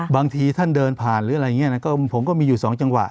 บางทีท่านเดินผ่านหรืออะไรเจ้าก็มี๒จังหวะ